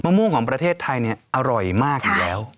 มะม่วงของประเทศไทยอร่อยมากอยู่แล้ว